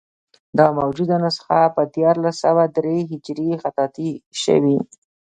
دا موجوده نسخه په دیارلس سوه درې هجري خطاطي شوې.